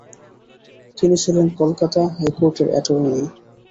তিনি ছিলেন কলকাতা হাইকোর্টের অ্যাটর্নি।